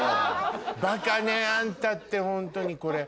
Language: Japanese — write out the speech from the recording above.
バカねあんたってホントにこれ。